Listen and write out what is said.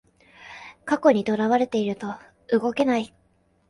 過去にとらわれてると動けない